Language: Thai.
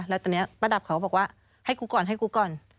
แล้วตอนนี้ประดับเขาก็บอกว่าให้กูก่อนให้กูก่อน